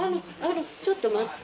ちょっと待って。